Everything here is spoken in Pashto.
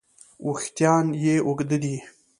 وېښتیان یې اوږده دي.